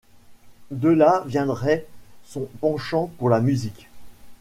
De là viendrait son penchant pour la musique.